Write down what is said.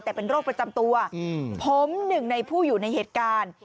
แต่เป็นโรคประจำตัวผมหนึ่งในผู้อยู่ในเหตุการณ์